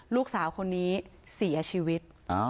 ลูกสาวคนนี้เสียชีวิต